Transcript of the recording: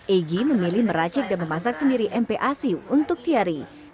egy memilih meracik dan memasak sendiri mpac untuk tiari